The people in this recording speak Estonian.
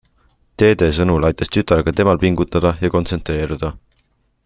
Dede sõnul aitas tütar ka temal pingutada ja kontsentreeruda.